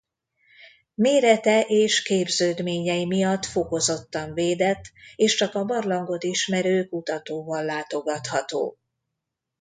Mérete és képződményei miatt fokozottan védett és csak a barlangot ismerő kutatóval látogatható.